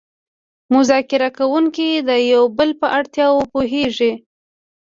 مذاکره کوونکي د یو بل په اړتیاوو پوهیږي